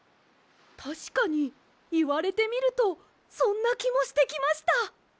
たしかにいわれてみるとそんなきもしてきました。